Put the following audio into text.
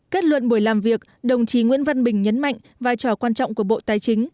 kết luận buổi làm việc đồng chí nguyễn văn bình nhấn mạnh vai trò quan trọng của bộ tài chính